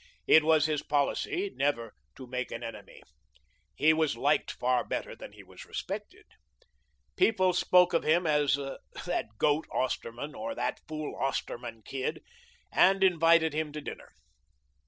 It was his policy never to make an enemy. He was liked far better than he was respected. People spoke of him as "that goat Osterman," or "that fool Osterman kid," and invited him to dinner.